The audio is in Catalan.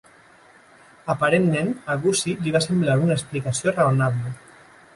Aparentment, a Gussie li va semblar una explicació raonable.